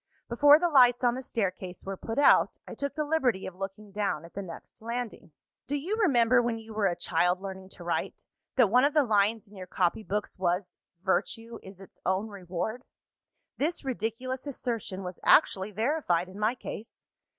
Before the lights on the staircase were put out, I took the liberty of looking down at the next landing. "Do you remember, when you were a child learning to write, that one of the lines in your copy books was, 'Virtue is its own reward'? This ridiculous assertion was actually verified in my case!